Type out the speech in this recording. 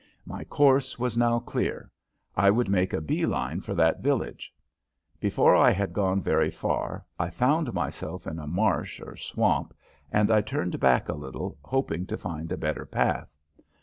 My course was now clear. I would make a bee line for that village. Before I had gone very far I found myself in a marsh or swamp, and I turned back a little, hoping to find a better path.